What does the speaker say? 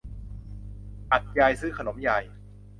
อัฐยายซื้อขนมยาย